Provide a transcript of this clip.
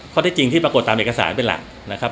ที่จริงที่ปรากฏตามเอกสารเป็นหลักนะครับ